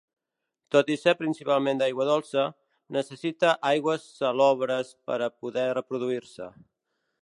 Tot i ser principalment d'aigua dolça, necessita aigües salobres per a poder reproduir-se.